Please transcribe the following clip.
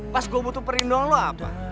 pas gue butuh perlindung lu apa